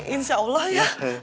insya allah ya